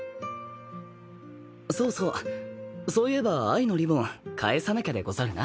そうそうそういえば藍のリボン返さなきゃでござるな。